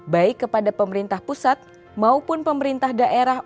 baik kepada pemerintah pusat maupun pemerintah daerah